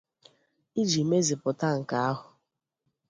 Iji mezupụta nke ahụ